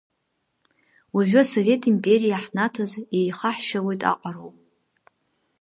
Уажәы асовет империа иаҳнаҭаз еихаҳшьалоит аҟароуп.